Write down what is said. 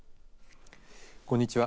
こんにちは。